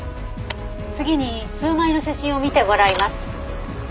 次に数枚の写真を見てもらいます。